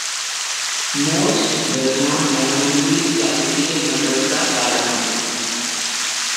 Most well-known elementary statistical methods are parametric.